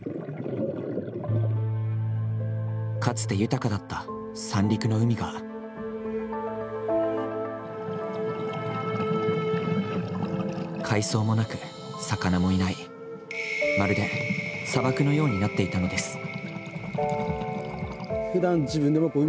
かつて豊かだった三陸の海が海藻もなく魚もいない、まるで砂漠のようになっていたのです。